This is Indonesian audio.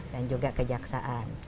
dan juga kejaksaan